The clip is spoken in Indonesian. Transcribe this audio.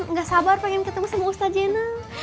nggak sabar pengen ketemu sama ustaz zainal